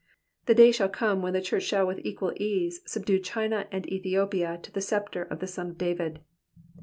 The day shall come when the church shall with equal esse subdue China and Ethiopia to the sceptre of the Son of David.